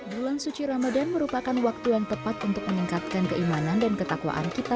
bulan suci ramadan merupakan waktu yang tepat untuk meningkatkan keimanan dan ketakwaan kita